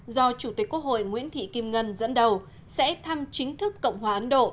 do chủ tịch quốc hội nguyễn thị kim ngân dẫn đầu sẽ thăm chính thức cộng hòa ấn độ